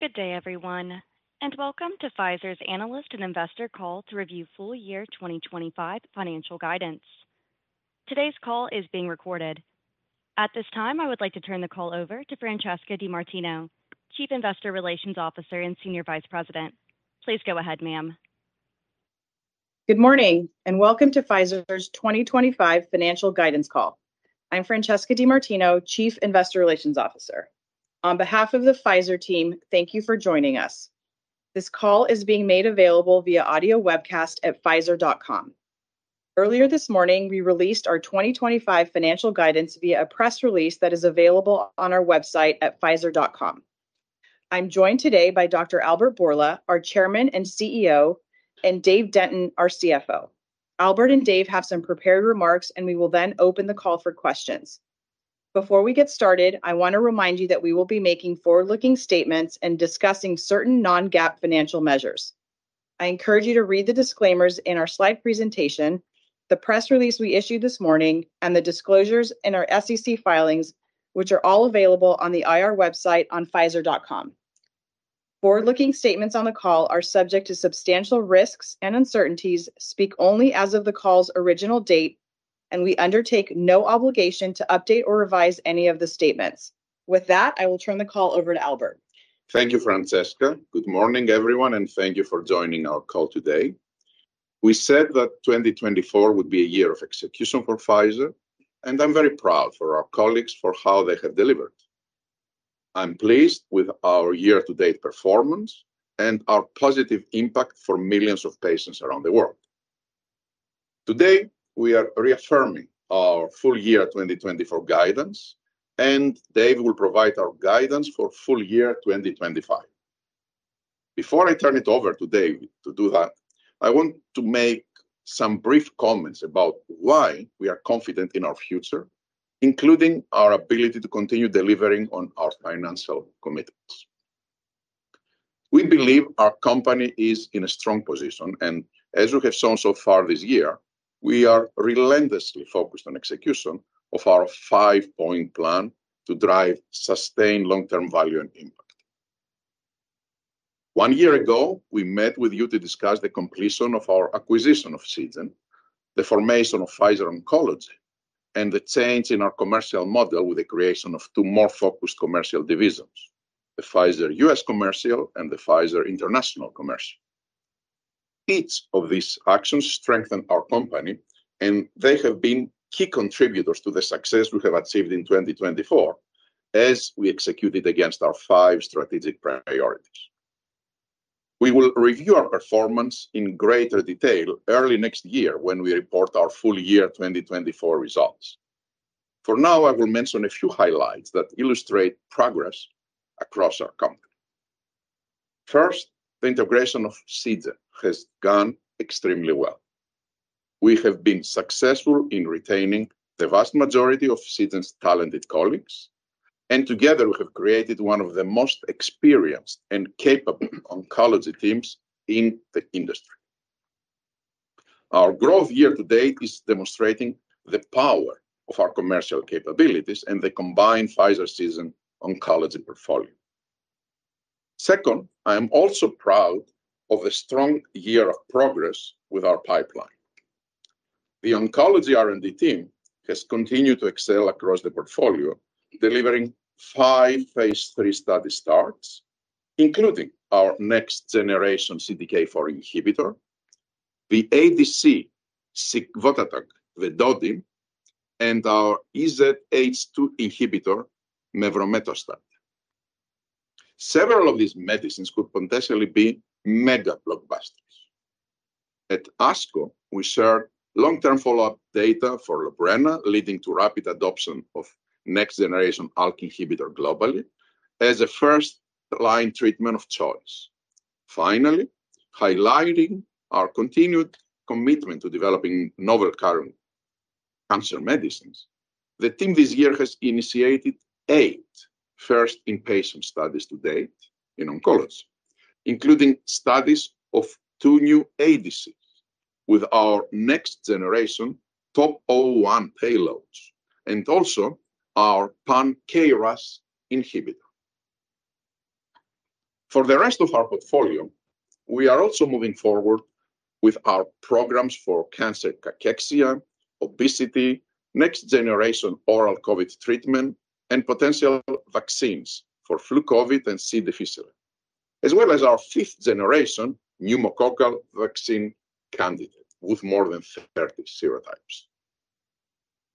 Good day, everyone, and welcome to Pfizer's analyst and investor call to review full-year 2025 financial guidance. Today's call is being recorded. At this time, I would like to turn the call over to Francesca DeMartino, Chief Investor Relations Officer and Senior Vice President. Please go ahead, ma'am. Good morning and welcome to Pfizer's 2025 financial guidance call. I'm Francesca DeMartino, Chief Investor Relations Officer. On behalf of the Pfizer team, thank you for joining us. This call is being made available via audio webcast at pfizer.com. Earlier this morning, we released our 2025 financial guidance via a press release that is available on our website at pfizer.com. I'm joined today by Dr. Albert Bourla, our Chairman and CEO, and Dave Denton, our CFO. Albert and Dave have some prepared remarks, and we will then open the call for questions. Before we get started, I want to remind you that we will be making forward-looking statements and discussing certain non-GAAP financial measures. I encourage you to read the disclaimers in our slide presentation, the press release we issued this morning, and the disclosures in our SEC filings, which are all available on the IR website on pfizer.com. Forward-looking statements on the call are subject to substantial risks and uncertainties, speak only as of the call's original date, and we undertake no obligation to update or revise any of the statements. With that, I will turn the call over to Albert. Thank you, Francesca. Good morning, everyone, and thank you for joining our call today. We said that 2024 would be a year of execution for Pfizer, and I'm very proud of our colleagues for how they have delivered. I'm pleased with our year-to-date performance and our positive impact for millions of patients around the world. Today, we are reaffirming our full-year 2024 guidance, and Dave will provide our guidance for full-year 2025. Before I turn it over to Dave to do that, I want to make some brief comments about why we are confident in our future, including our ability to continue delevering on our financial commitments. We believe our company is in a strong position, and as you have seen so far this year, we are relentlessly focused on execution of our five-point plan to drive sustained long-term value and impact. One year ago, we met with you to discuss the completion of our acquisition of Seagen, the formation of Pfizer Oncology, and the change in our commercial model with the creation of two more focused commercial divisions: the Pfizer U.S. Commercial and the Pfizer International Commercial. Each of these actions strengthened our company, and they have been key contributors to the success we have achieved in 2024 as we executed against our five strategic priorities. We will review our performance in greater detail early next year when we report our full-year 2024 results. For now, I will mention a few highlights that illustrate progress across our company. First, the integration of Seagen has gone extremely well. We have been successful in retaining the vast majority of Seagen's talented colleagues, and together we have created one of the most experienced and capable oncology teams in the industry. Our growth year-to-date is demonstrating the power of our commercial capabilities and the combined Pfizer-Seagen Oncology portfolio. Second, I am also proud of the strong year of progress with our pipeline. The Oncology R&D team has continued to excel across the portfolio, delivering five phase III study starts, including our next-generation CDK4 inhibitor, the ADC sigvotatug vedotin, disitamab vedotin, and our EZH2 inhibitor, mevrometostat. Several of these medicines could potentially be mega blockbusters. At ASCO, we shared long-term follow-up data for Lorbrena, leading to rapid adoption of next-generation ALK inhibitor globally as a first-line treatment of choice. Finally, highlighting our continued commitment to developing novel carrier cancer medicines, the team this year has initiated eight first-in-patient studies to date in oncology, including studies of two new ADCs with our next-generation Topo I payloads and also our pan-KRAS inhibitor. For the rest of our portfolio, we are also moving forward with our programs for cancer cachexia, obesity, next-generation oral COVID treatment, and potential vaccines for flu COVID and C. difficile, as well as our fifth-generation pneumococcal vaccine candidate with more than 30 serotypes.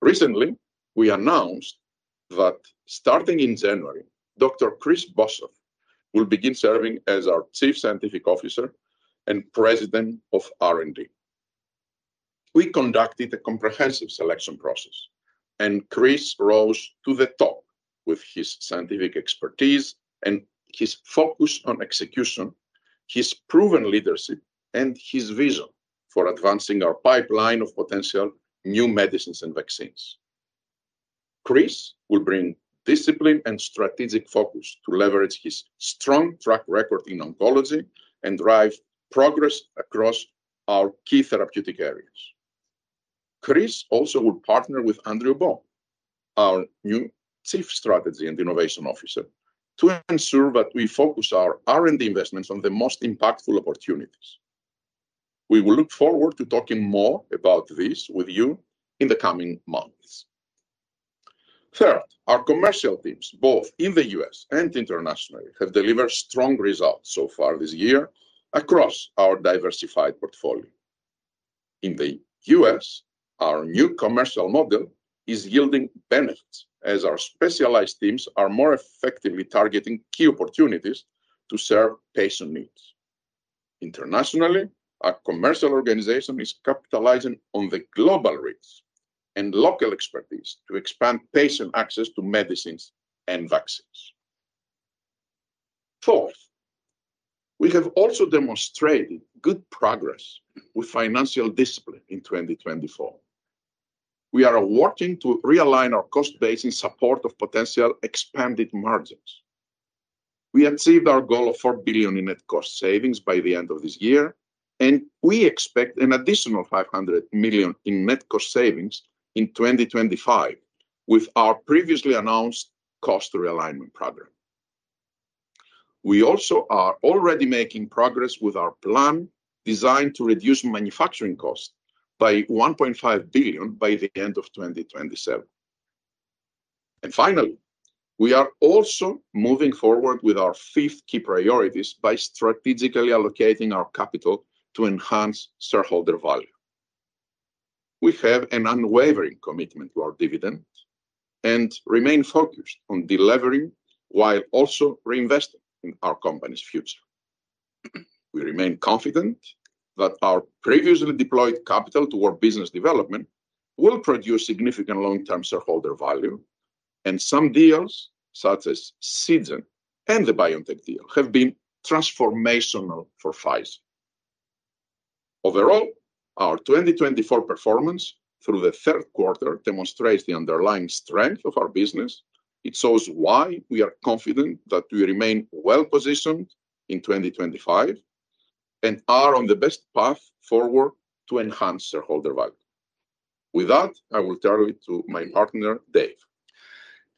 Recently, we announced that starting in January, Dr. Chris Boshoff will begin serving as our Chief Scientific Officer and President of R&D. We conducted a comprehensive selection process, and Chris rose to the top with his scientific expertise and his focus on execution, his proven leadership, and his vision for advancing our pipeline of potential new medicines and vaccines. Chris will bring discipline and strategic focus to leverage his strong track record in oncology and drive progress across our key therapeutic areas. Chris also will partner with Andrew Baum, our new Chief Strategy and Innovation Officer, to ensure that we focus our R&D investments on the most impactful opportunities. We will look forward to talking more about this with you in the coming months. Third, our commercial teams, both in the U.S. and internationally, have delivered strong results so far this year across our diversified portfolio. In the U.S., our new commercial model is yielding benefits as our specialized teams are more effectively targeting key opportunities to serve patient needs. Internationally, our commercial organization is capitalizing on the global reach and local expertise to expand patient access to medicines and vaccines. Fourth, we have also demonstrated good progress with financial discipline in 2024. We are working to realign our cost base in support of potential expanded margins. We achieved our goal of $4 billion in net cost savings by the end of this year, and we expect an additional $500 million in net cost savings in 2025 with our previously announced cost realignment program. We also are already making progress with our plan designed to reduce manufacturing costs by $1.5 billion by the end of 2027. And finally, we are also moving forward with our fifth key priorities by strategically allocating our capital to enhance shareholder value. We have an unwavering commitment to our dividends and remain focused on delivering while also reinvesting in our company's future. We remain confident that our previously deployed capital toward business development will produce significant long-term shareholder value, and some deals, such as Seagen and the BioNTech deal, have been transformational for Pfizer. Overall, our 2024 performance through the third quarter demonstrates the underlying strength of our business. It shows why we are confident that we remain well-positioned in 2025 and are on the best path forward to enhance shareholder value. With that, I will turn it to my partner, Dave.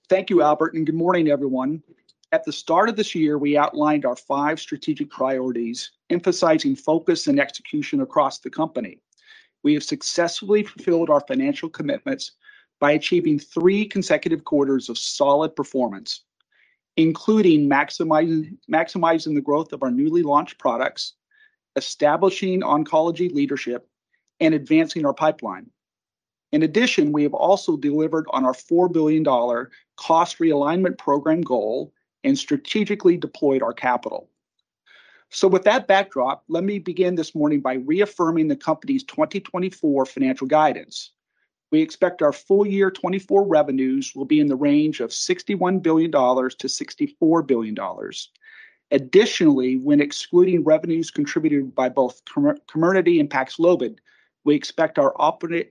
Thank you, Albert, and good morning, everyone. At the start of this year, we outlined our five strategic priorities, emphasizing focus and execution across the company. We have successfully fulfilled our financial commitments by achieving three consecutive quarters of solid performance, including maximizing the growth of our newly launched products, establishing oncology leadership, and advancing our pipeline. In addition, we have also delivered on our $4 billion cost realignment program goal and strategically deployed our capital. So with that backdrop, let me begin this morning by reaffirming the company's 2024 financial guidance. We expect our full-year 2024 revenues will be in the range of $61 billion-$64 billion. Additionally, when excluding revenues contributed by both Comirnaty and Paxlovid, we expect our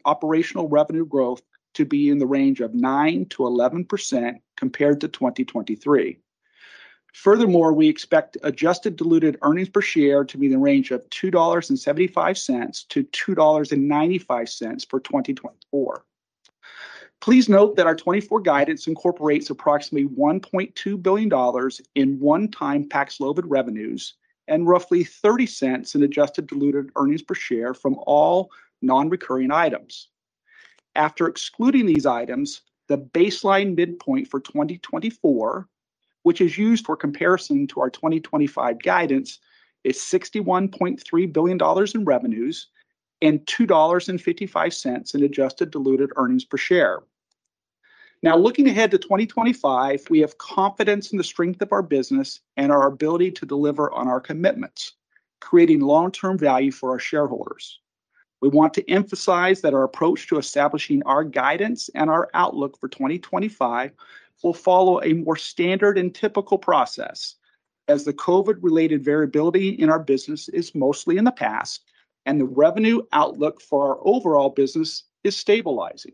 operational revenue growth to be in the range of 9%-11% compared to 2023. Furthermore, we expect adjusted diluted earnings per share to be in the range of $2.75-$2.95 for 2024. Please note that our 2024 guidance incorporates approximately $1.2 billion in one-time Paxlovid revenues and roughly $0.30 in adjusted diluted earnings per share from all non-recurring items. After excluding these items, the baseline midpoint for 2024, which is used for comparison to our 2025 guidance, is $61.3 billion in revenues and $2.55 in adjusted diluted earnings per share. Now, looking ahead to 2025, we have confidence in the strength of our business and our ability to deliver on our commitments, creating long-term value for our shareholders. We want to emphasize that our approach to establishing our guidance and our outlook for 2025 will follow a more standard and typical process, as the COVID-related variability in our business is mostly in the past and the revenue outlook for our overall business is stabilizing.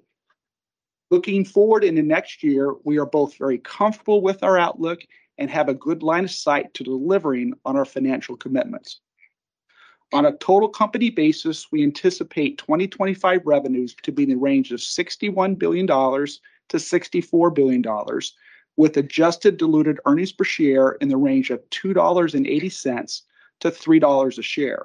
Looking forward into next year, we are both very comfortable with our outlook and have a good line of sight to delivering on our financial commitments. On a total company basis, we anticipate 2025 revenues to be in the range of $61 billion-$64 billion, with adjusted diluted earnings per share in the range of $2.80-$3 a share.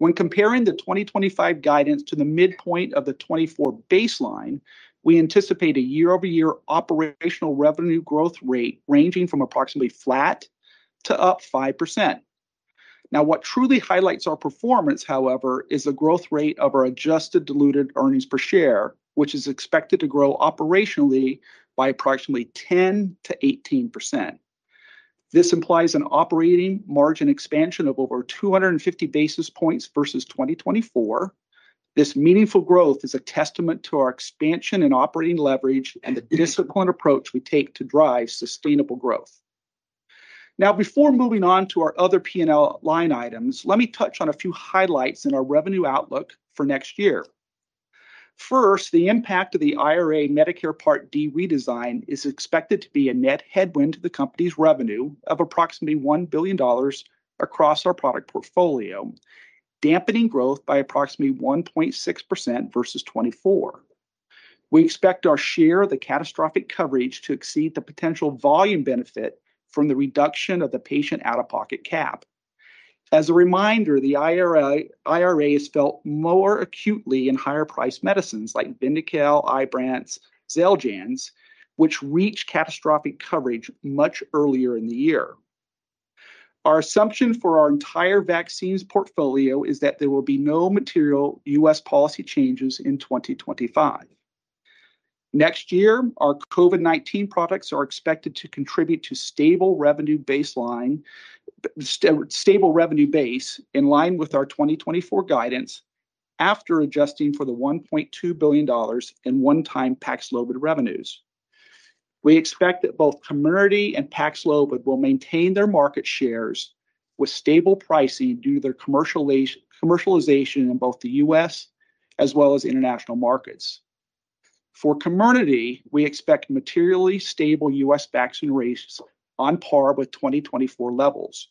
When comparing the 2025 guidance to the midpoint of the 2024 baseline, we anticipate a year-over-year operational revenue growth rate ranging from approximately flat to up 5%. Now, what truly highlights our performance, however, is the growth rate of our adjusted diluted earnings per share, which is expected to grow operationally by approximately 10%-18%. This implies an operating margin expansion of over 250 basis points versus 2024. This meaningful growth is a testament to our expansion in operating leverage and the disciplined approach we take to drive sustainable growth. Now, before moving on to our other P&L line items, let me touch on a few highlights in our revenue outlook for next year. First, the impact of the IRA Medicare Part D redesign is expected to be a net headwind to the company's revenue of approximately $1 billion across our product portfolio, dampening growth by approximately 1.6% versus 2024. We expect our share of the catastrophic coverage to exceed the potential volume benefit from the reduction of the patient out-of-pocket cap. As a reminder, the IRA is felt more acutely in higher-priced medicines like Vyndaqel, Ibrance, Xeljanz, which reach catastrophic coverage much earlier in the year. Our assumption for our entire vaccines portfolio is that there will be no material U.S. policy changes in 2025. Next year, our COVID-19 products are expected to contribute to stable revenue base in line with our 2024 guidance after adjusting for the $1.2 billion in one-time Paxlovid revenues. We expect that both Comirnaty and Paxlovid will maintain their market shares with stable pricing due to their commercialization in both the U.S. as well as international markets. For Comirnaty, we expect materially stable U.S. vaccine rates on par with 2024 levels.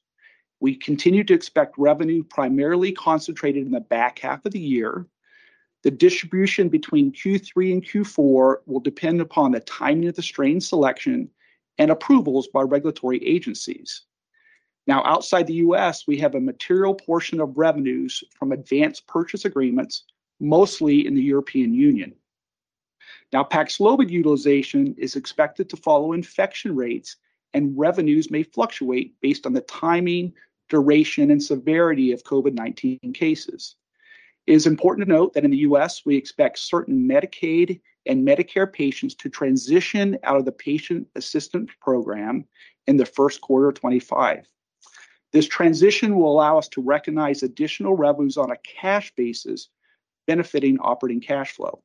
We continue to expect revenue primarily concentrated in the back half of the year. The distribution between Q3 and Q4 will depend upon the timing of the strain selection and approvals by regulatory agencies. Now, outside the U.S., we have a material portion of revenues from advanced purchase agreements, mostly in the European Union. Now, Paxlovid utilization is expected to follow infection rates, and revenues may fluctuate based on the timing, duration, and severity of COVID-19 cases. It is important to note that in the U.S., we expect certain Medicaid and Medicare patients to transition out of the patient assistance program in the first quarter of 2025. This transition will allow us to recognize additional revenues on a cash basis, benefiting operating cash flow.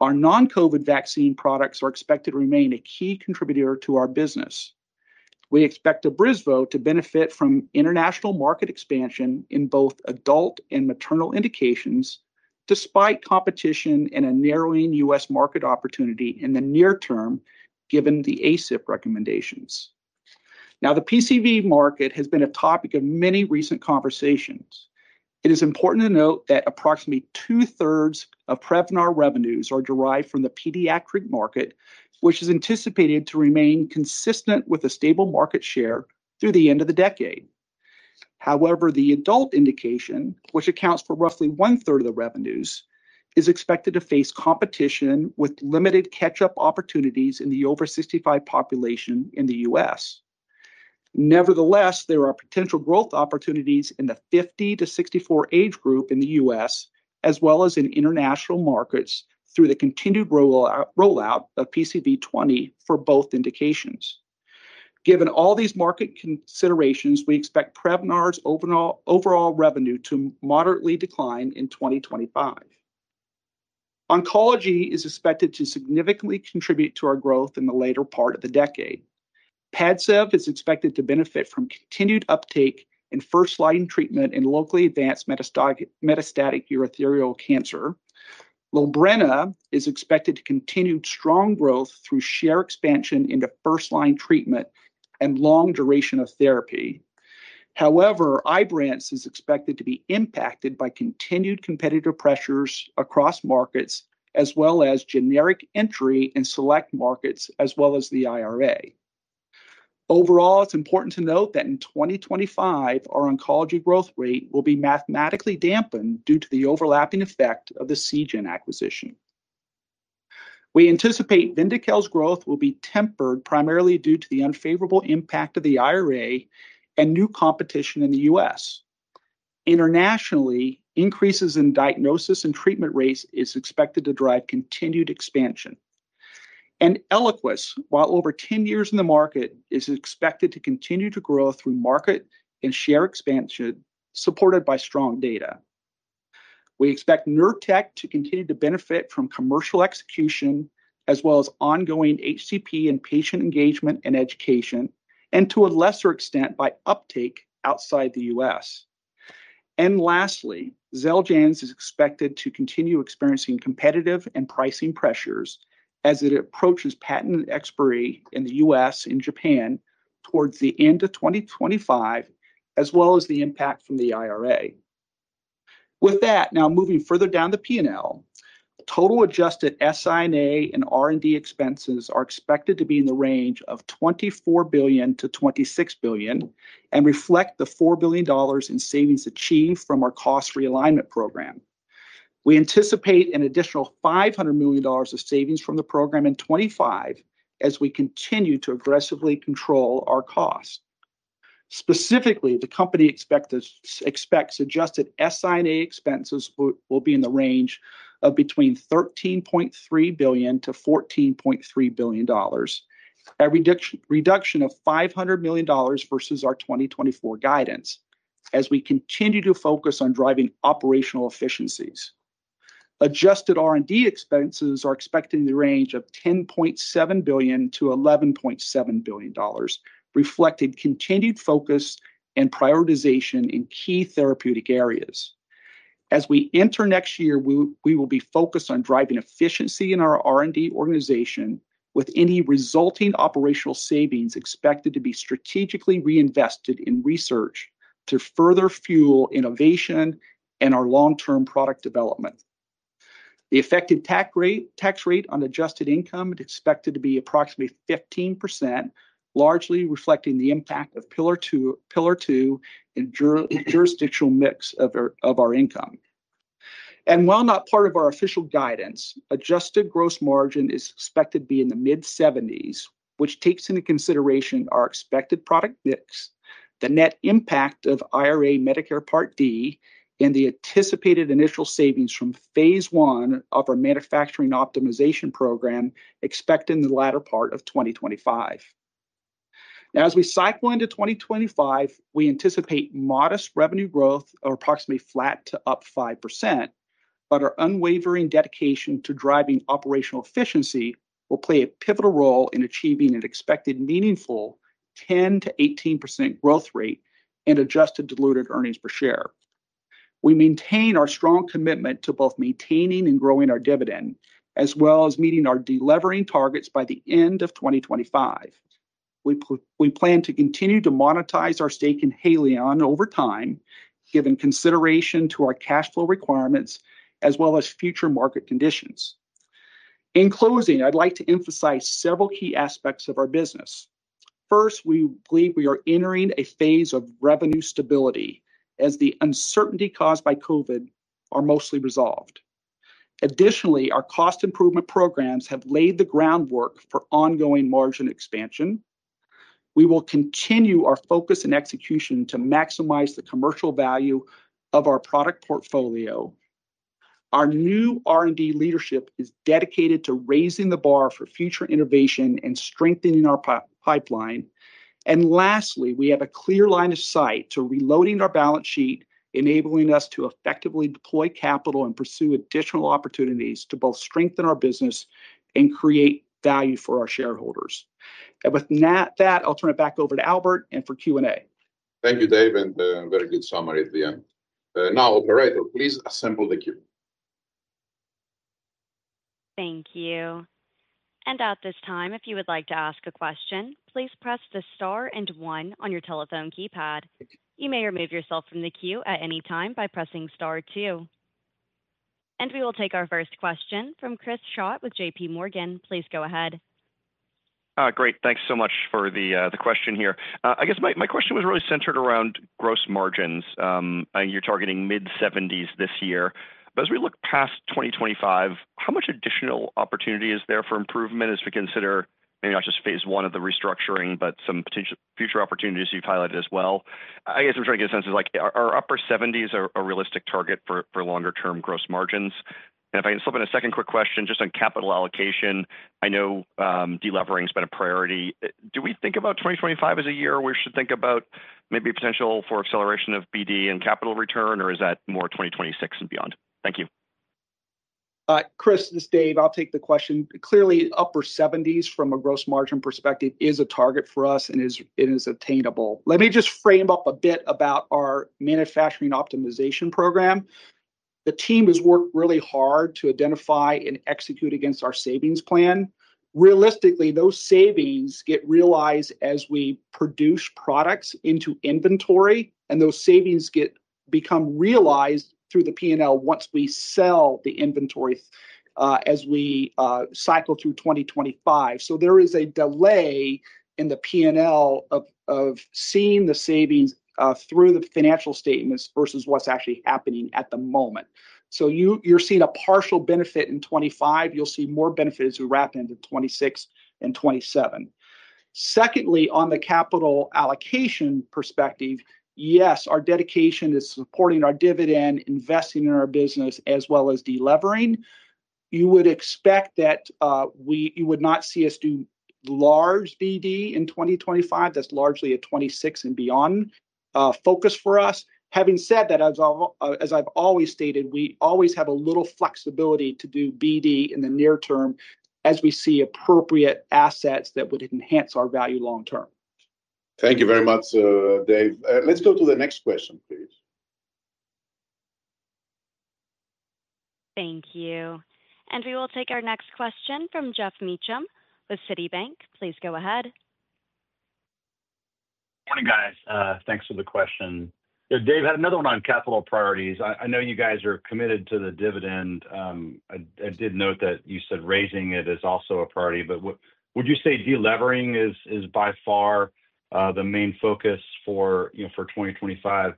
Our non-COVID vaccine products are expected to remain a key contributor to our business. We expect Abrysvo to benefit from international market expansion in both adult and maternal indications, despite competition and a narrowing U.S. market opportunity in the near term given the ACIP recommendations. Now, the PCV market has been a topic of many recent conversations. It is important to note that approximately two-thirds of Prevnar revenues are derived from the pediatric market, which is anticipated to remain consistent with a stable market share through the end of the decade. However, the adult indication, which accounts for roughly one-third of the revenues, is expected to face competition with limited catch-up opportunities in the over-65 population in the U.S. Nevertheless, there are potential growth opportunities in the 50 to 64 age group in the U.S., as well as in international markets through the continued rollout of PCV20 for both indications. Given all these market considerations, we expect Prevnar's overall revenue to moderately decline in 2025. Oncology is expected to significantly contribute to our growth in the later part of the decade. Padcev is expected to benefit from continued uptake in first-line treatment in locally advanced metastatic urothelial cancer. Lorbrena is expected to continue strong growth through share expansion into first-line treatment and long duration of therapy. However, Ibrance is expected to be impacted by continued competitive pressures across markets, as well as generic entry in select markets, as well as the IRA. Overall, it's important to note that in 2025, our oncology growth rate will be mathematically dampened due to the overlapping effect of the Seagen acquisition. We anticipate Vyndaqel's growth will be tempered primarily due to the unfavorable impact of the IRA and new competition in the U.S. Internationally, increases in diagnosis and treatment rates are expected to drive continued expansion, and Eliquis, while over 10 years in the market, is expected to continue to grow through market and share expansion supported by strong data. We expect Nurtec to continue to benefit from commercial execution, as well as ongoing HCP and patient engagement and education, and to a lesser extent by uptake outside the US. Lastly, Xeljanz is expected to continue experiencing competitive and pricing pressures as it approaches patent expiry in the US and Japan towards the end of 2025, as well as the impact from the IRA. With that, now moving further down the P&L, total adjusted SI&A and R&D expenses are expected to be in the range of $24 billion-$26 billion and reflect the $4 billion in savings achieved from our cost realignment program. We anticipate an additional $500 million of savings from the program in 2025 as we continue to aggressively control our costs. Specifically, the company expects adjusted SI&A expenses will be in the range of between $13.3 billion-$14.3 billion, a reduction of $500 million versus our 2024 guidance as we continue to focus on driving operational efficiencies. Adjusted R&D expenses are expected in the range of $10.7 billion-$11.7 billion, reflecting continued focus and prioritization in key therapeutic areas. As we enter next year, we will be focused on driving efficiency in our R&D organization, with any resulting operational savings expected to be strategically reinvested in research to further fuel innovation and our long-term product development. The effective tax rate on adjusted income is expected to be approximately 15%, largely reflecting the impact of Pillar 2 in the jurisdictional mix of our income. And while not part of our official guidance, adjusted gross margin is expected to be in the mid-70s, which takes into consideration our expected product mix, the net impact of IRA Medicare Part D, and the anticipated initial savings from phase I of our manufacturing optimization program expected in the latter part of 2025. Now, as we cycle into 2025, we anticipate modest revenue growth of approximately flat to up 5%, but our unwavering dedication to driving operational efficiency will play a pivotal role in achieving an expected meaningful 10%-18% growth rate and adjusted diluted earnings per share. We maintain our strong commitment to both maintaining and growing our dividend, as well as meeting our delivering targets by the end of 2025. We plan to continue to monetize our stake in Haleon over time, given consideration to our cash flow requirements, as well as future market conditions. In closing, I'd like to emphasize several key aspects of our business. First, we believe we are entering a phase of revenue stability as the uncertainty caused by COVID is mostly resolved. Additionally, our cost improvement programs have laid the groundwork for ongoing margin expansion. We will continue our focus and execution to maximize the commercial value of our product portfolio. Our new R&D leadership is dedicated to raising the bar for future innovation and strengthening our pipeline. And lastly, we have a clear line of sight to reloading our balance sheet, enabling us to effectively deploy capital and pursue additional opportunities to both strengthen our business and create value for our shareholders, and with that, I'll turn it back over to Albert and for Q&A. Thank you, Dave, and a very good summary at the end. Now, Operator, please assemble the queue. Thank you. At this time, if you would like to ask a question, please press the star and one on your telephone keypad. You may remove yourself from the queue at any time by pressing star two. We will take our first question from Chris Schott with J.P. Morgan. Please go ahead. Great. Thanks so much for the question here. I guess my question was really centered around gross margins. You're targeting mid-70s% this year, but as we look past 2025, how much additional opportunity is there for improvement as we consider maybe not just phase I of the restructuring, but some potential future opportunities you've highlighted as well? I guess I'm trying to get a sense of, like, are upper 70s% a realistic target for longer-term gross margins? And if I can slip in a second quick question just on capital allocation, I know delivering has been a priority. Do we think about 2025 as a year where we should think about maybe potential for acceleration of BD and capital return, or is that more 2026 and beyond? Thank you. Chris, this is Dave. I'll take the question. Clearly, upper 70s from a gross margin perspective is a target for us, and it is attainable. Let me just frame up a bit about our manufacturing optimization program. The team has worked really hard to identify and execute against our savings plan. Realistically, those savings get realized as we produce products into inventory, and those savings become realized through the P&L once we sell the inventory as we cycle through 2025. So there is a delay in the P&L of seeing the savings through the financial statements versus what's actually happening at the moment. So you're seeing a partial benefit in 2025. You'll see more benefit as we wrap into 2026 and 2027. Secondly, on the capital allocation perspective, yes, our dedication is supporting our dividend, investing in our business, as well as delivering. You would expect that you would not see us do large BD in 2025. That's largely a 2026 and beyond focus for us. Having said that, as I've always stated, we always have a little flexibility to do BD in the near term as we see appropriate assets that would enhance our value long term. Thank you very much, Dave. Let's go to the next question, please. Thank you, and we will take our next question from Geoff Meacham with Citibank. Please go ahead. Morning, guys. Thanks for the question. Dave, I had another one on capital priorities. I know you guys are committed to the dividend. I did note that you said raising it is also a priority, but would you say delivering is by far the main focus for 2025?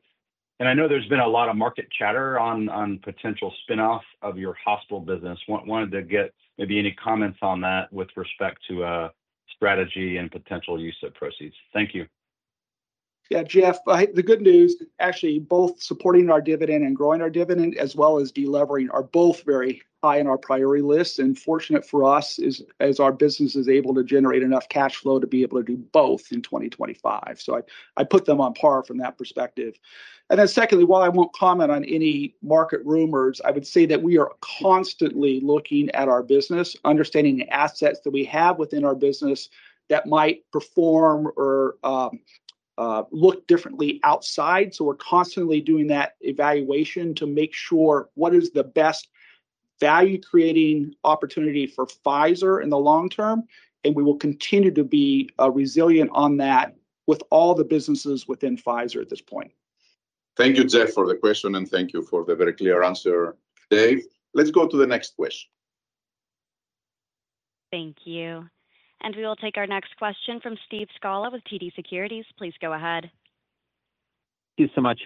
And I know there's been a lot of market chatter on potential spinoff of your hospital business. Wanted to get maybe any comments on that with respect to strategy and potential use of proceeds. Thank you. Yeah, Geoff, the good news, actually, both supporting our dividend and growing our dividend, as well as delivering, are both very high on our priority list. And fortunate for us, our business is able to generate enough cash flow to be able to do both in 2025. So I put them on par from that perspective. And then secondly, while I won't comment on any market rumors, I would say that we are constantly looking at our business, understanding the assets that we have within our business that might perform or look differently outside. So we're constantly doing that evaluation to make sure what is the best value-creating opportunity for Pfizer in the long term. And we will continue to be resilient on that with all the businesses within Pfizer at this point. Thank you, Geoff, for the question, and thank you for the very clear answer, Dave. Let's go to the next question. Thank you. And we will take our next question from Steve Scala with TD Securities. Please go ahead. Thank you so much.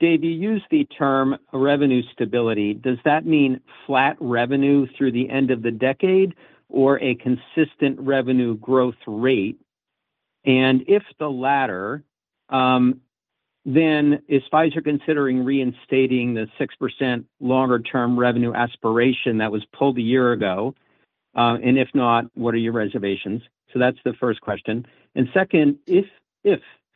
Dave, you used the term revenue stability. Does that mean flat revenue through the end of the decade or a consistent revenue growth rate? And if the latter, then is Pfizer considering reinstating the 6% longer-term revenue aspiration that was pulled a year ago? And if not, what are your reservations? So that's the first question. And second, if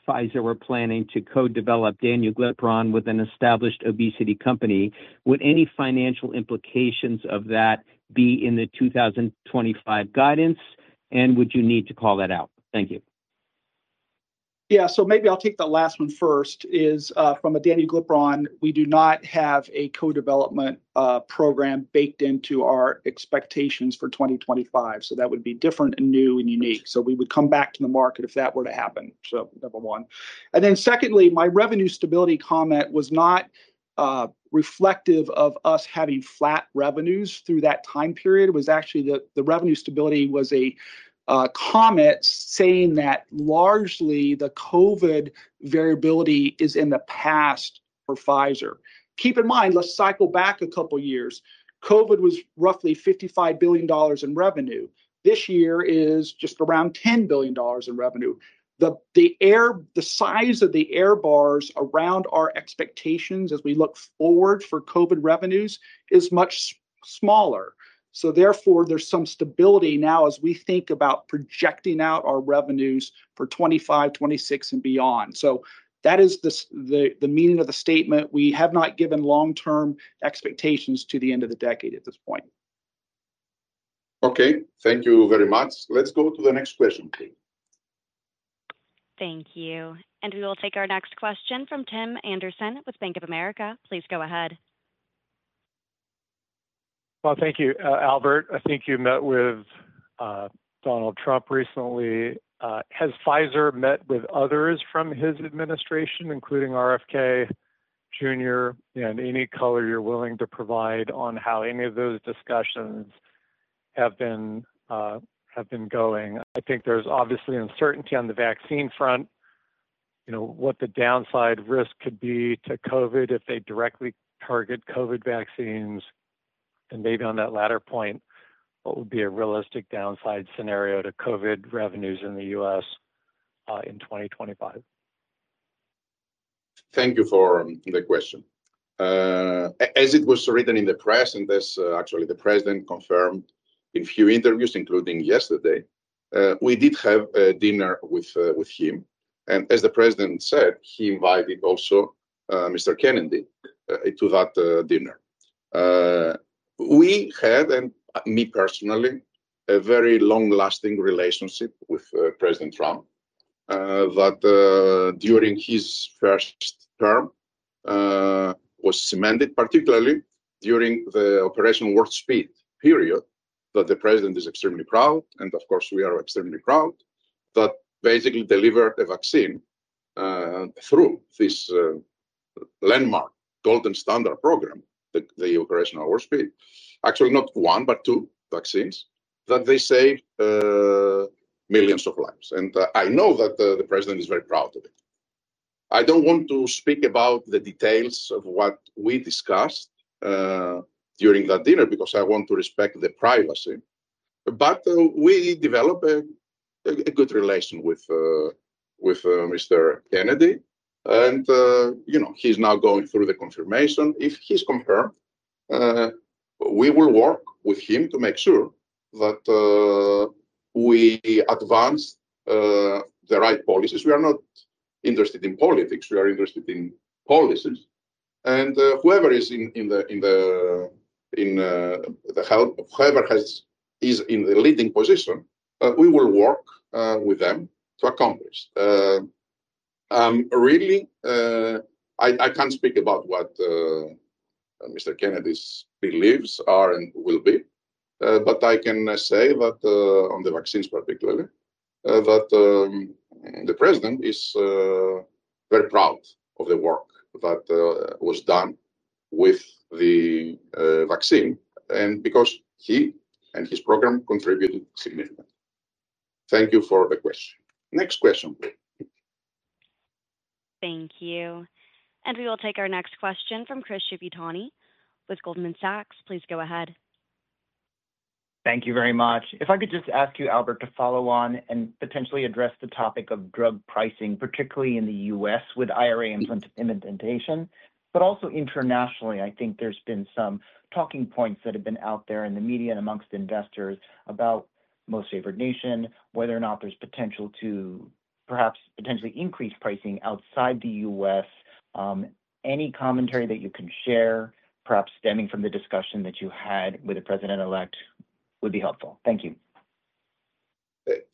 Pfizer were planning to co-develop danuglipron with an established obesity company, would any financial implications of that be in the 2025 guidance? And would you need to call that out? Thank you. Yeah, so maybe I'll take the last one first. From a danuglipron, we do not have a co-development program baked into our expectations for 2025. So that would be different and new and unique. So we would come back to the market if that were to happen, so number one. And then secondly, my revenue stability comment was not reflective of us having flat revenues through that time period. It was actually the revenue stability was a comment saying that largely the COVID variability is in the past for Pfizer. Keep in mind, let's cycle back a couple of years. COVID was roughly $55 billion in revenue. This year is just around $10 billion in revenue. The size of the error bars around our expectations as we look forward for COVID revenues is much smaller. So therefore, there's some stability now as we think about projecting out our revenues for 2025, 2026, and beyond. So that is the meaning of the statement. We have not given long-term expectations to the end of the decade at this point. Okay, thank you very much. Let's go to the next question, please. Thank you. And we will take our next question from Tim Anderson with Bank of America. Please go ahead. Well, thank you, Albert. I think you met with Donald Trump recently. Has Pfizer met with others from his administration, including RFK Jr. and any color you're willing to provide on how any of those discussions have been going? I think there's obviously uncertainty on the vaccine front, what the downside risk could be to COVID if they directly target COVID vaccines. And maybe on that latter point, what would be a realistic downside scenario to COVID revenues in the U.S. in 2025? Thank you for the question. As it was written in the press, and as actually the president confirmed in a few interviews, including yesterday, we did have a dinner with him, and as the president said, he invited also Mr. Kennedy to that dinner. We had, and me personally, a very long-lasting relationship with President Trump that during his first term was cemented, particularly during the Operation Warp Speed period that the president is extremely proud of. Of course, we are extremely proud that basically delivered a vaccine through this landmark gold standard program, the Operation Warp Speed. Actually, not one, but two vaccines that they saved millions of lives. I know that the president is very proud of it. I don't want to speak about the details of what we discussed during that dinner because I want to respect the privacy. We developed a good relation with Mr. Kennedy. He's now going through the confirmation. If he's confirmed, we will work with him to make sure that we advance the right policies. We are not interested in politics. We are interested in policies. And whoever is in the health, whoever is in the leading position, we will work with them to accomplish. Really, I can't speak about what Mr. Kennedy believes are and will be. But I can say that on the vaccines, particularly, that the president is very proud of the work that was done with the vaccine and because he and his program contributed significantly. Thank you for the question. Next question, please. Thank you. And we will take our next question from Chris Shibutani with Goldman Sachs. Please go ahead. Thank you very much. If I could just ask you, Albert, to follow on and potentially address the topic of drug pricing, particularly in the U.S. with IRA implementation, but also internationally, I think there's been some talking points that have been out there in the media and amongst investors about most favored nation, whether or not there's potential to perhaps potentially increase pricing outside the U.S. Any commentary that you can share, perhaps stemming from the discussion that you had with the president-elect, would be helpful. Thank you.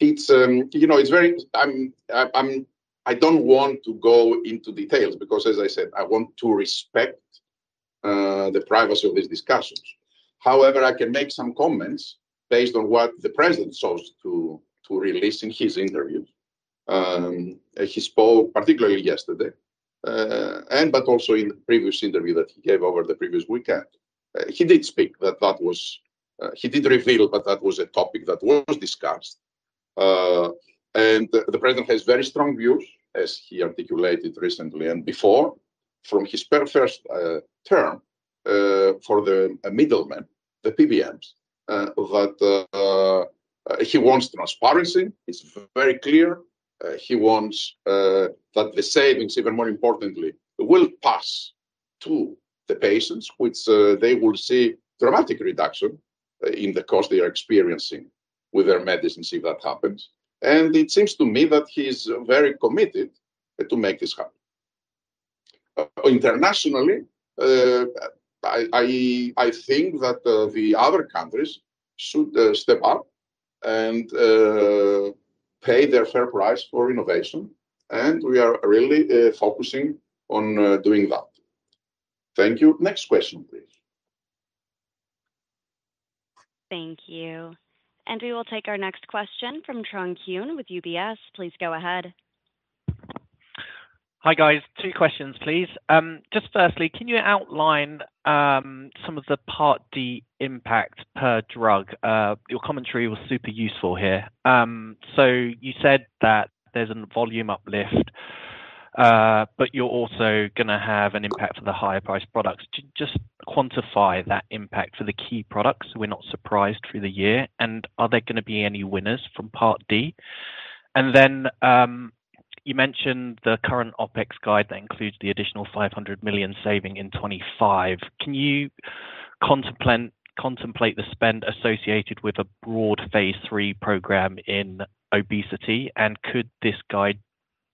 It's very. I don't want to go into details because, as I said, I want to respect the privacy of these discussions. However, I can make some comments based on what the president chose to release in his interviews, particularly yesterday, but also in the previous interview that he gave over the previous weekend. He did reveal that that was a topic that was discussed. And the president has very strong views, as he articulated recently and before from his first term for the middlemen, the PBMs, that he wants transparency. It's very clear. He wants that the savings, even more importantly, will pass to the patients, which they will see a dramatic reduction in the cost they are experiencing with their medicines if that happens. And it seems to me that he's very committed to make this happen. Internationally, I think that the other countries should step up and pay their fair price for innovation. And we are really focusing on doing that. Thank you. Next question, please. Thank you. And we will take our next question from Trung Huynh with UBS. Please go ahead. Hi, guys. Two questions, please. Just firstly, can you outline some of the Part D impact per drug? Your commentary was super useful here. So you said that there's a volume uplift, but you're also going to have an impact for the higher-priced products. Just quantify that impact for the key products we're not surprised through the year. And are there going to be any winners from Part D? And then you mentioned the current OpEx guide that includes the additional $500 million saving in 2025. Can you contemplate the spend associated with a broad phase III program in obesity? And could this guide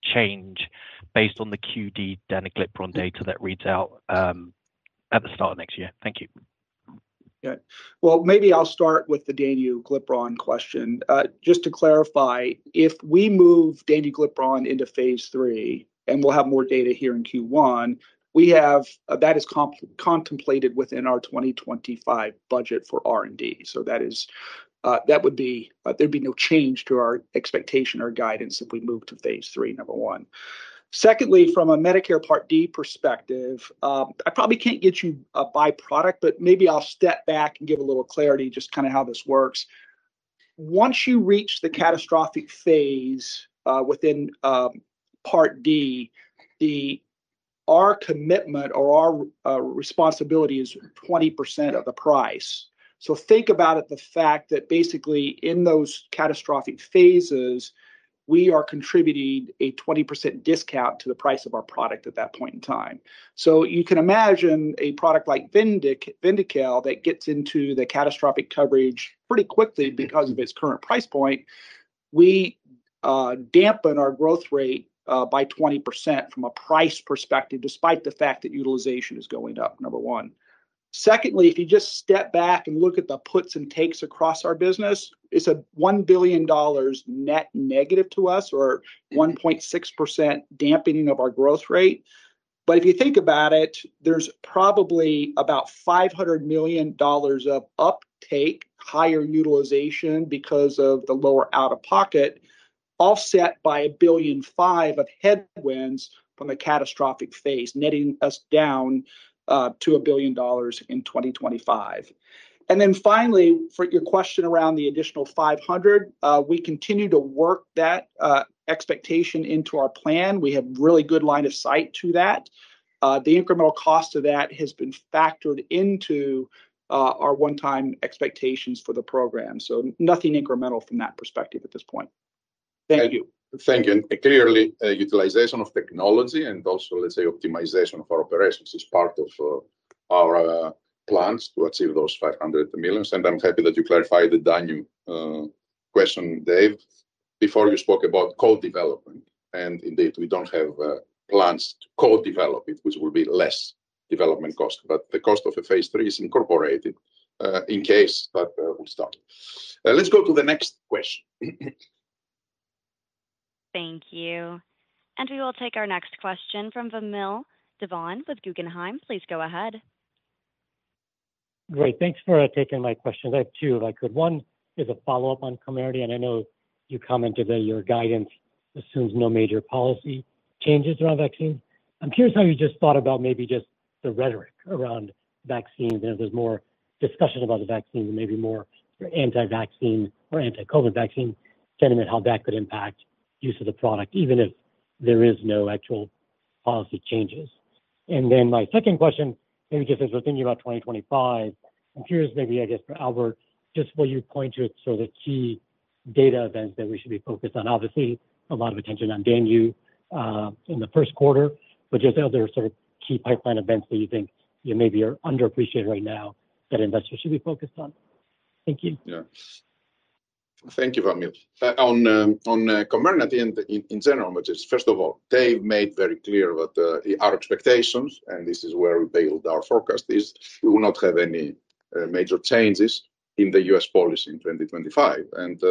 change based on the QD danuglipron data that reads out at the start of next year? Thank you. Okay. Well, maybe I'll start with the danuglipron question. Just to clarify, if we move danuglipron into phase III and we'll have more data here in Q1, that is contemplated within our 2025 budget for R&D. So that would be. There'd be no change to our expectation or guidance if we move to phase III, number one. Secondly, from a Medicare Part D perspective, I probably can't get you a byproduct, but maybe I'll step back and give a little clarity just kind of how this works. Once you reach the catastrophic phase within Part D, our commitment or our responsibility is 20% of the price. So think about the fact that basically in those catastrophic phases, we are contributing a 20% discount to the price of our product at that point in time. So you can imagine a product like Vyndaqel that gets into the catastrophic coverage pretty quickly because of its current price point. We dampen our growth rate by 20% from a price perspective despite the fact that utilization is going up, number one. Secondly, if you just step back and look at the puts and takes across our business, it's a $1 billion net negative to us or 1.6% dampening of our growth rate. But if you think about it, there's probably about $500 million of uptake, higher utilization because of the lower out-of-pocket, offset by $1.5 billion of headwinds from the catastrophic phase, netting us down to $1 billion in 2025. Then finally, for your question around the additional $500 million, we continue to work that expectation into our plan. We have a really good line of sight to that. The incremental cost of that has been factored into our one-time expectations for the program. So nothing incremental from that perspective at this point. Thank you. Thank you. And clearly, utilization of technology and also, let's say, optimization of our operations is part of our plans to achieve those 500 millions. And I'm happy that you clarified the Danny question, Dave, before you spoke about co-development. And indeed, we don't have plans to co-develop it, which will be less development cost. But the cost of a phase III is incorporated in case. But we'll start. Let's go to the next question. Thank you. And we will take our next question from Vamil Divan with Guggenheim. Please go ahead. Great. Thanks for taking my questions. I have two if I could. One is a follow-up on Comirnaty. And I know you commented that your guidance assumes no major policy changes around vaccines. I'm curious how you just thought about maybe just the rhetoric around vaccines and if there's more discussion about the vaccine and maybe more anti-vaccine or anti-COVID vaccine sentiment, how that could impact the use of the product, even if there are no actual policy changes. And then my second question, maybe just as we're thinking about 2025, I'm curious maybe, I guess, for Albert, just what you point to as sort of the key data events that we should be focused on. Obviously, a lot of attention on danuglipron in the first quarter, but just other sort of key pipeline events that you think maybe are underappreciated right now that investors should be focused on. Thank you. Yeah. Thank you, Vamil. On commentary in general, first of all, they've made very clear that our expectations, and this is where we build our forecast, is we will not have any major changes in the U.S. policy in 2025, and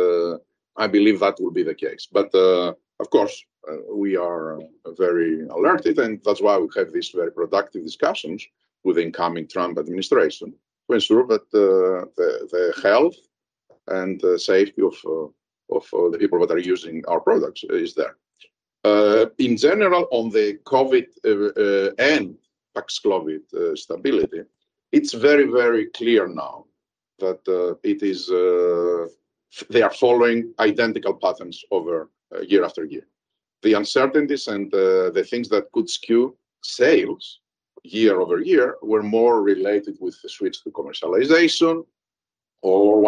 I believe that will be the case. But of course, we are very alert, and that's why we have these very productive discussions with the incoming Trump administration, but the health and safety of the people that are using our products is there. In general, on the COVID and Paxlovid stability, it's very, very clear now that they are following identical patterns year over year. The uncertainties and the things that could skew sales year over year were more related with the switch to commercialization or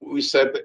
one-time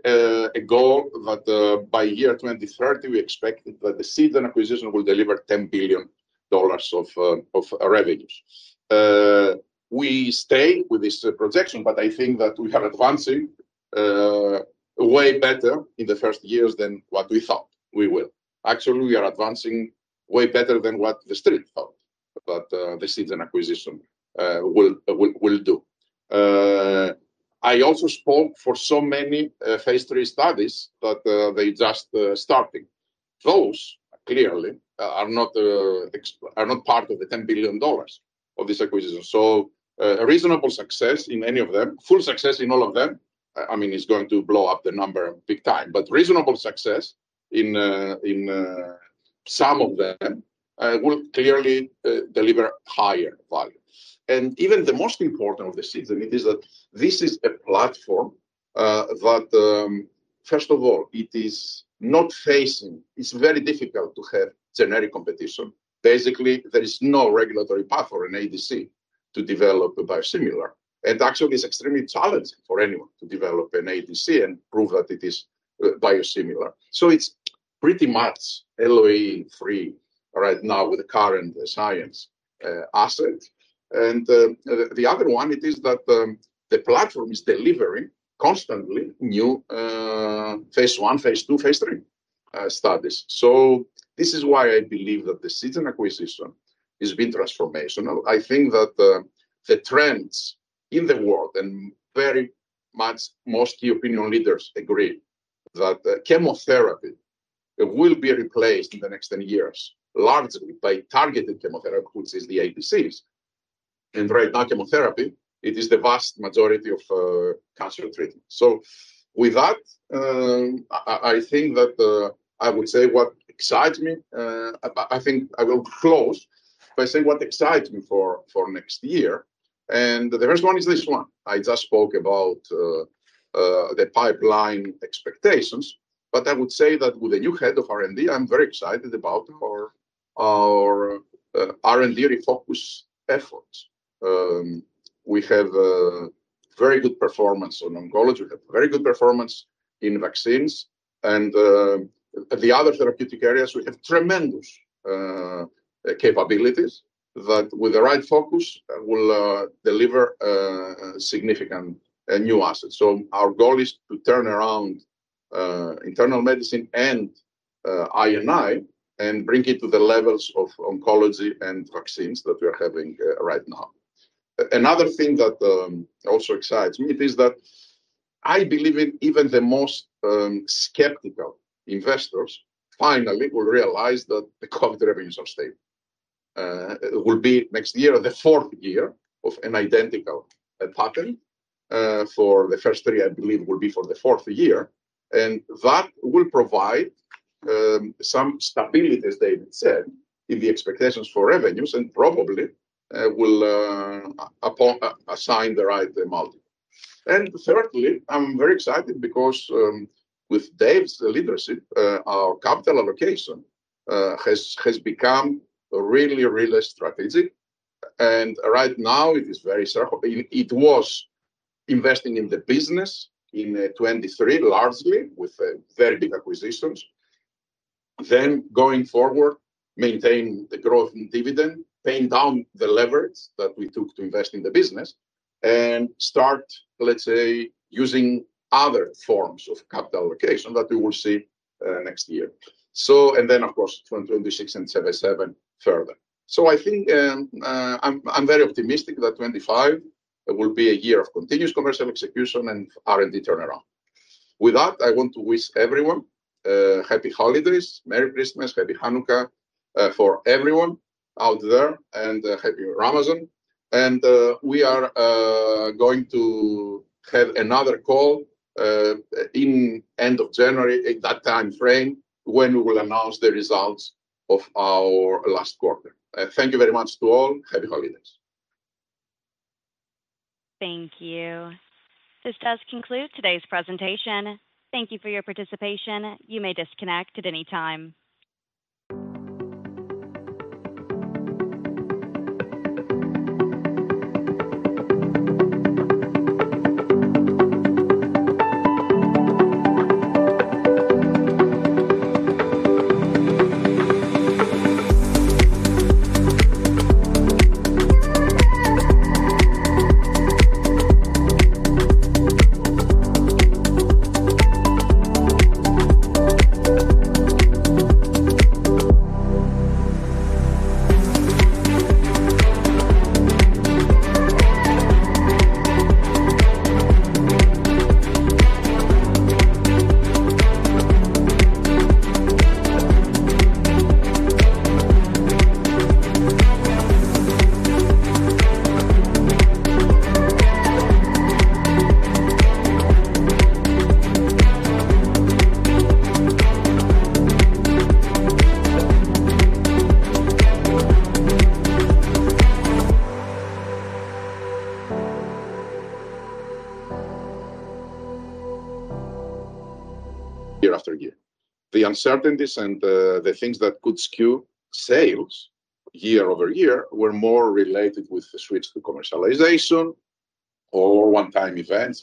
events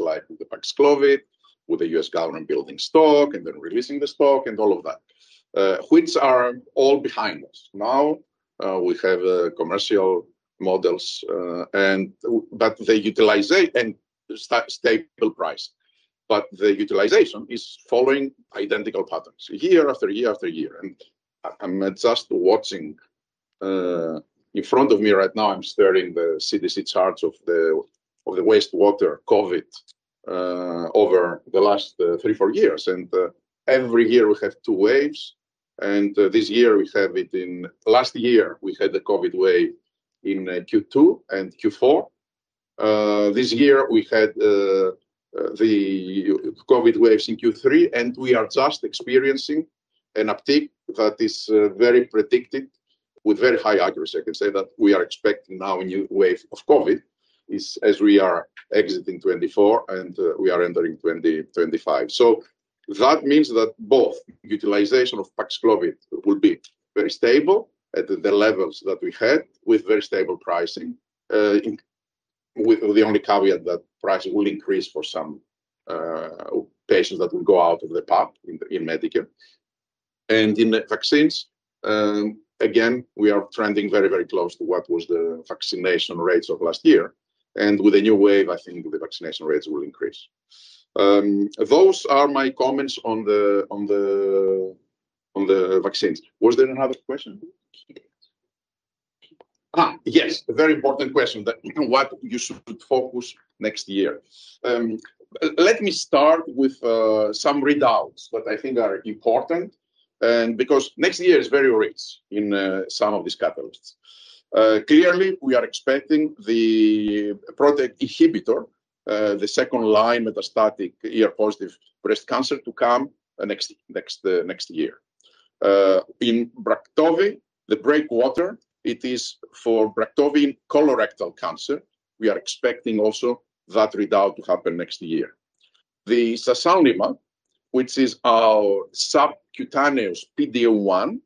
like the Paxlovid with the U.S. government building stock and then releasing the stock and all of that, which are all behind us. Now we have commercial models, but they utilize a stable price. But the utilization is following identical patterns year after year after year. And I'm just watching in front of me right now, I'm staring at the CDC charts of the wastewater COVID over the last three, four years. And every year we have two waves. And this year we have it in last year, we had the COVID wave in Q2 and Q4. This year we had the COVID waves in Q3, and we are just experiencing an uptick that is very predicted with very high accuracy. I can say that we are expecting now a new wave of COVID as we are exiting 2024 and we are entering 2025. That means that both utilization of Paxlovid will be very stable at the levels that we had with very stable pricing, with the only caveat that prices will increase for some patients that will go out of the path in Medicare. In the vaccines, again, we are trending very, very close to what was the vaccination rates of last year. With a new wave, I think the vaccination rates will increase. Those are my comments on the vaccines. Was there another question? Yes, a very important question that what you should focus next year. Let me start with some readouts that I think are important because next year is very rich in some of these catalysts. Clearly, we are expecting the CDK4 inhibitor, the second-line metastatic HR-positive breast cancer to come next year. In Braftovi, the BREAKWATER, it is for Braftovi colorectal cancer. We are expecting also that readout to happen next year. The Sasanlimab, which is our subcutaneous PD-1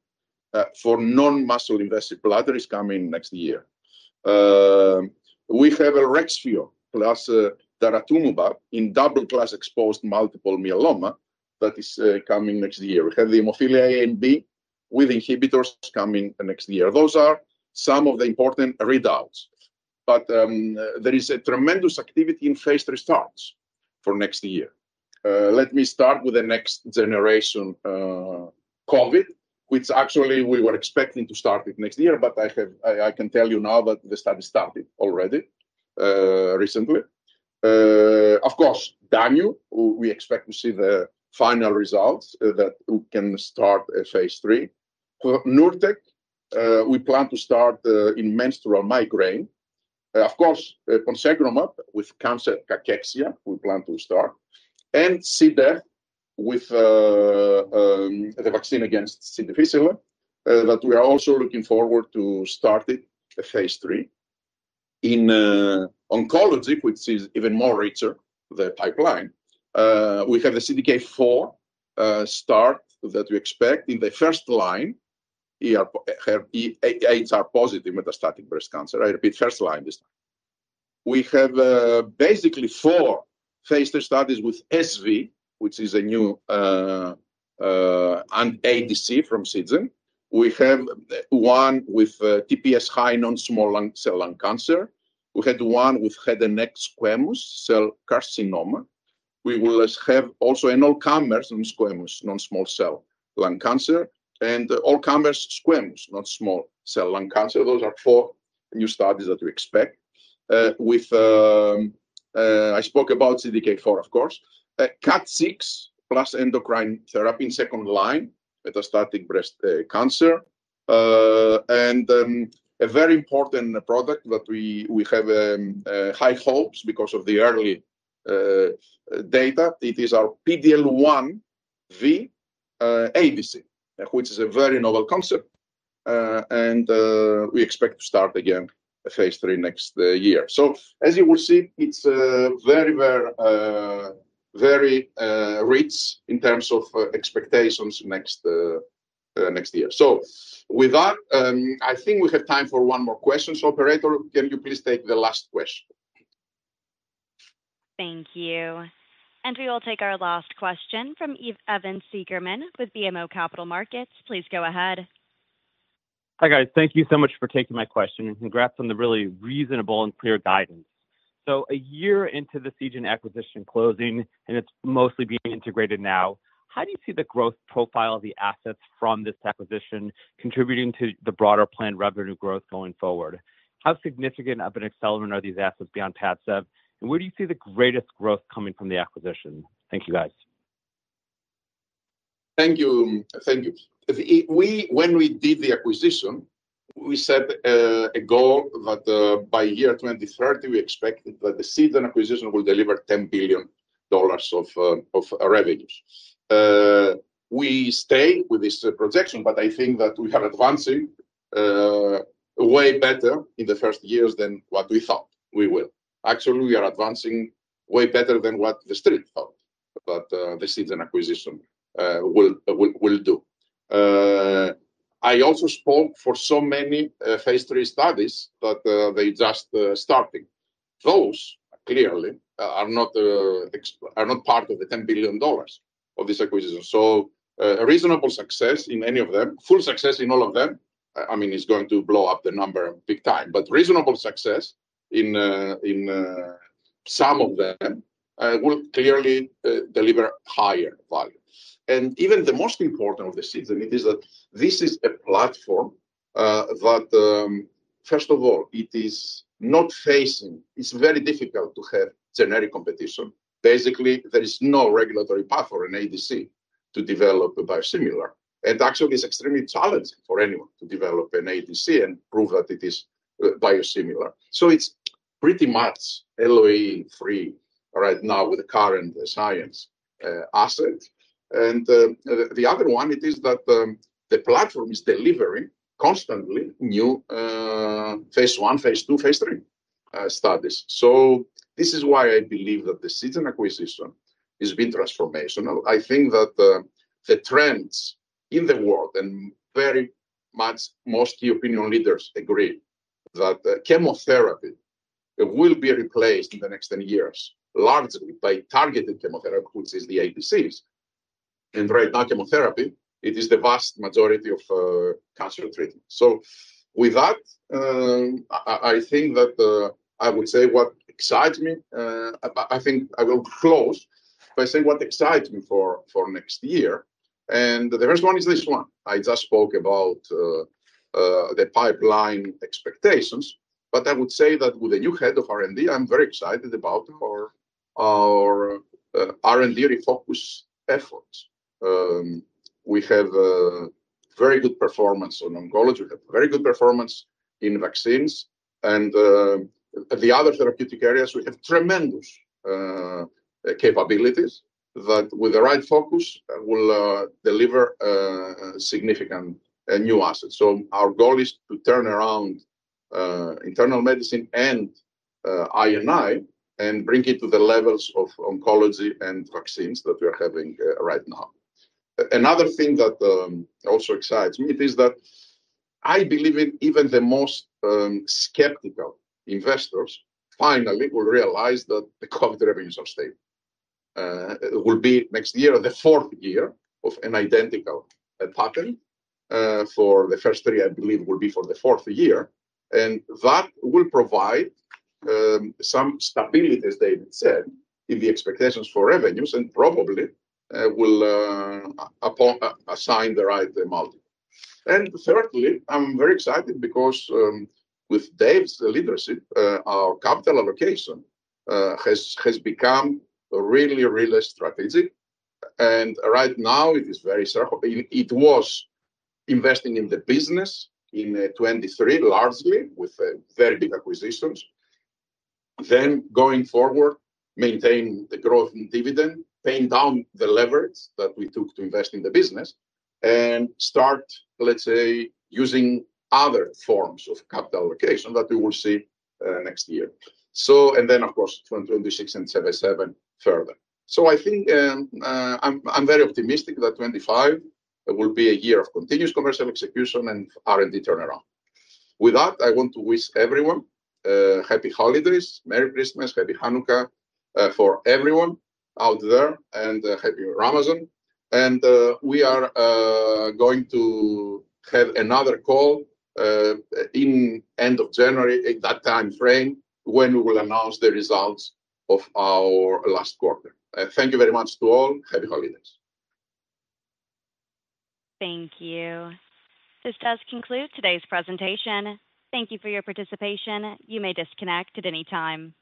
for non-muscle invasive bladder, is coming next year. We have an Elrexfio plus daratumumab in double-class exposed multiple myeloma that is coming next year. We have the Hemophilia A and B with inhibitors coming next year. Those are some of the important readouts. But there is a tremendous activity in phase III starts for next year. Let me start with the next generation COVID, which actually we were expecting to start next year, but I can tell you now that the study started already recently. Of course, danuglipron, we expect to see the final results that we can start a phase III. For Nurtec, we plan to start in menstrual migraine. Of course, on ponsegromab with cancer cachexia, we plan to start. And C. difficile with the vaccine against C. difficile. That we are also looking forward to starting a phase III. In oncology, which is even more richer, the pipeline, we have the CDK4/6 that we expect in the first line HR positive metastatic breast cancer. I repeat first line this time. We have basically four phase III studies with SV, which is a new ADC from Seagen. We have one with TPS high non-small cell lung cancer. We had one with head and neck squamous cell carcinoma. We will have also an all-comers non-squamous non-small cell lung cancer and all-comers squamous non-small cell lung cancer. Those are four new studies that we expect. I spoke about CDK4, of course. CDK4/6 plus endocrine therapy in second line metastatic breast cancer. A very important product that we have high hopes because of the early data. It is our PD-L1V ADC, which is a very novel concept. And we expect to start again a phase III next year. So as you will see, it's very, very rich in terms of expectations next year. So with that, I think we have time for one more question operator. Can you please take the last question? Thank you. And we will take our last question from Evan Seigerman with BMO Capital Markets. Please go ahead. Hi, guys. Thank you so much for taking my question. And congrats on the really reasonable and clear guidance. So a year into the Seagen acquisition closing, and it's mostly being integrated now. How do you see the growth profile of the assets from this acquisition contributing to the broader planned revenue growth going forward? How significant of an accelerant are these assets beyond Padcev? Where do you see the greatest growth coming from the acquisition? Thank you, guys. Thank you. Thank you. When we did the acquisition, we set a goal that by year 2030, we expected that the Seagen acquisition will deliver $10 billion of revenues. We stay with this projection, but I think that we are advancing way better in the first years than what we thought we will. Actually, we are advancing way better than what the street thought that the Seagen acquisition will do. I also spoke for so many phase III studies that they're just starting. Those clearly are not part of the $10 billion of this acquisition. So reasonable success in any of them, full success in all of them, I mean, is going to blow up the number big time. But reasonable success in some of them will clearly deliver higher value. And even the most important of the Seagen, it is that this is a platform that, first of all, it is not facing. It's very difficult to have generic competition. Basically, there is no regulatory path for an ADC to develop a biosimilar. And actually, it's extremely challenging for anyone to develop an ADC and prove that it is biosimilar. So it's pretty much LOE-free right now with the current Seagen asset. And the other one, it is that the platform is delivering constantly new phase I, phase II, phase III studies. So this is why I believe that the Seagen acquisition has been transformational. I think that the trends in the world, and very much most key opinion leaders agree that chemotherapy will be replaced in the next 10 years largely by targeted chemotherapy, which is the ADCs. Right now, chemotherapy, it is the vast majority of cancer treatment. With that, I think that I would say what excites me, I think I will close by saying what excites me for next year. The first one is this one. I just spoke about the pipeline expectations, but I would say that with the new head of R&D, I'm very excited about our R&D refocus efforts. We have very good performance on oncology. We have very good performance in vaccines. The other therapeutic areas, we have tremendous capabilities that with the right focus will deliver significant new assets. Our goal is to turn around internal medicine and I&I and bring it to the levels of oncology and vaccines that we are having right now. Another thing that also excites me is that I believe even the most skeptical investors finally will realize that the COVID revenues are stable. It will be next year, the fourth year of an identical pattern. For the first three, I believe will be for the fourth year. And that will provide some stability, as David said, in the expectations for revenues and probably will assign the right amount. And thirdly, I'm very excited because with Dave's leadership, our capital allocation has become really, really strategic. And right now, it is very surgical. It was investing in the business in 2023 largely with very big acquisitions. Then going forward, maintain the growth in dividend, paying down the leverage that we took to invest in the business, and start, let's say, using other forms of capital allocation that we will see next year. And then, of course, from 2026 and 2027 further. I think I'm very optimistic that 2025 will be a year of continuous commercial execution and R&D turnaround. With that, I want to wish everyone happy holidays, Merry Christmas, Happy Hanukkah for everyone out there, and Happy Ramadan. We are going to have another call in the end of January, that time frame when we will announce the results of our last quarter. Thank you very much to all. Happy holidays.